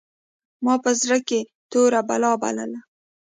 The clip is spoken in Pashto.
ما په زړه کښې توره بلا بلله.